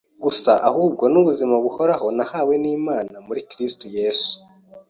gusa uhubwo n’ubuzima buhoraho nahawe n’Imana muri kristu Yesu.